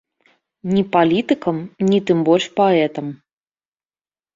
Ні палітыкам, ні, тым больш, паэтам.